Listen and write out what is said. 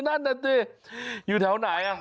น่าอยู่แถวไหนครับ